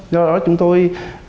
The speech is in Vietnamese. do đó chúng tôi